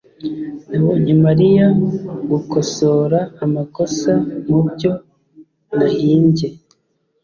nabonye mariya gukosora amakosa mubyo nahimbye